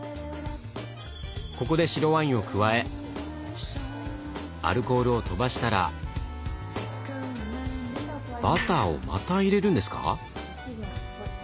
ここで白ワインを加えアルコールを飛ばしたらバターをまた入れるんですか